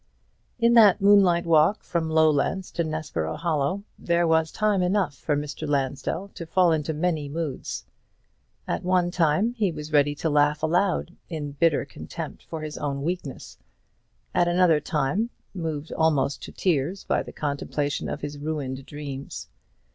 In that moonlight walk from Lowlands to Nessborough Hollow there was time enough for Mr. Lansdell to fall into many moods. At one time he was ready to laugh aloud, in bitter contempt for his own weakness; at another time, moved almost to tears by the contemplation of his ruined dreams.